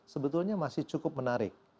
sebetulnya masih cukup menarik